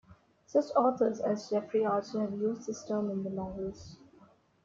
Such authors as Jeffrey Archer have used this term in their novels.